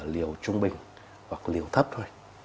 liều trung bình hoặc liều thấp thôi